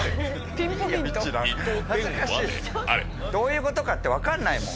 どういうことかって分かんないもん。